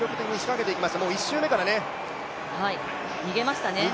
１周目から逃げましたね。